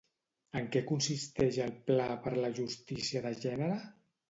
En què consisteix el Pla per la Justícia de Gènere?